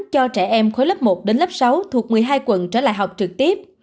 cho trẻ em khối lớp một đến lớp sáu thuộc một mươi hai quận trở lại học trực tiếp